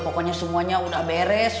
pokoknya semuanya udah beres